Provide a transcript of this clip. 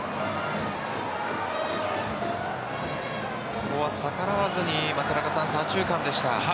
ここは逆らわずに左中間でした。